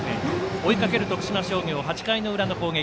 追いかける徳島商業８回の裏の攻撃。